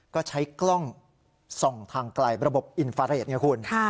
ก็ใช้กล้องส่องทางไกลระบบอินฟาเรทไงคุณ